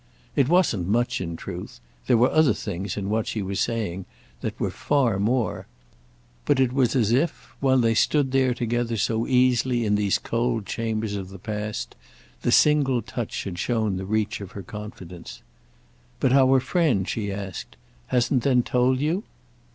It wasn't much, in truth—there were other things in what she was saying that were far more; but it was as if, while they stood there together so easily in these cold chambers of the past, the single touch had shown the reach of her confidence. "But our friend," she asked, "hasn't then told you?"